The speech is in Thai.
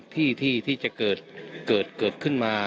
ที่จะเกิดขึ้นมา